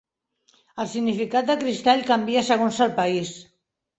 El significat de cristall canvia segons el país.